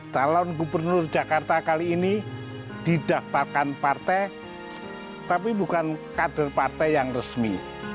calon gubernur jakarta kali ini didaftarkan partai tapi bukan kader partai yang resmi